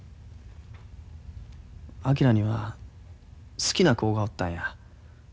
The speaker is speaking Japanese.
昭には好きな子がおったんや。